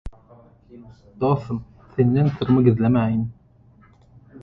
Dostum, senden syrymy gizlemäýin